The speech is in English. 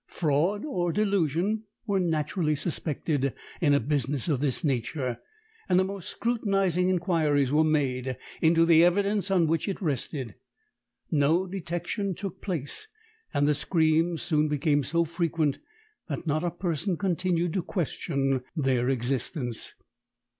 Fraud or delusion were naturally suspected in a business of this nature, and the most scrutinising inquiries were made into the evidence on which it rested. No detection took place, and the screams soon became so frequent that not a person continued to question their existence.